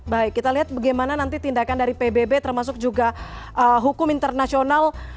baik kita lihat bagaimana nanti tindakan dari pbb termasuk juga hukum internasional